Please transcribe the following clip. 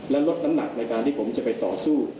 และลดน้ำหนักในการที่ผมจะไปต่อสู้